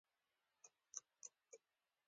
رابرټ تر لږ چورت وهلو وروسته وويل.